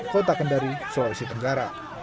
kota kendari sulawesi tenggara